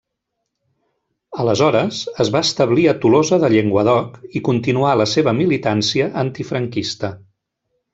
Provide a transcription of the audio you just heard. Aleshores es va establir a Tolosa de Llenguadoc i continuà la seva militància antifranquista.